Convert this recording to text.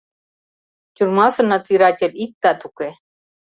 Тюрьмасе надзиратель иктат уке.